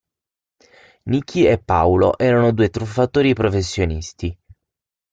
Nikki e Paulo erano due truffatori professionisti.